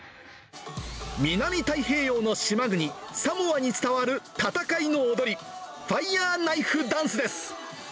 南太平洋の島国、サモアに伝わる戦いの踊り、ファイヤーナイフダンスです。